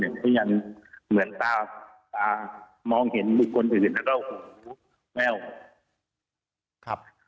น้านี้ยังเหมือนตามองมีคนอื่นมันก็กลัวเว้ว